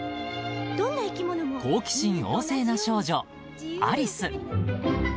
［好奇心旺盛な少女アリス］